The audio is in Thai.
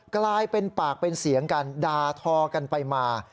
กลายเป็นปากเป็นเสียงกันด่าทอกันไปมา